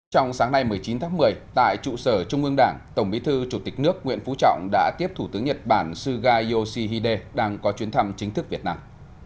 trong sáng nay một mươi chín tháng một mươi tại trụ sở trung ương đảng tổng bí thư chủ tịch nước nguyễn phú trọng đã tiếp thủ tướng nhật bản suga yoshihide đang có chuyến thăm chính thức việt nam